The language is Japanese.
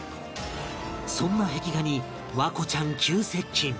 そんな壁画に環子ちゃん急接近